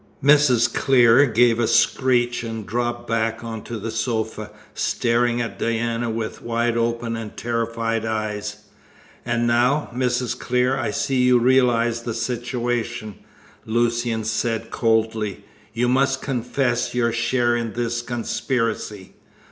Mrs. Clear gave a screech, and dropped back on to the sofa, staring at Diana with wide open and terrified eyes. "And now, Mrs. Clear, I see you realise the situation," Lucian said coldly. "You must confess your share in this conspiracy."